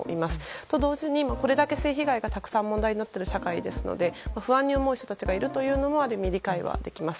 それと同時に、これだけ性被害が問題になっている社会ですので不安に思う人たちがいるのもある意味、理解はできます。